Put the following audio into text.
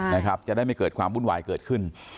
นะครับจะได้ไม่เกิดความวุ่นวายเกิดขึ้น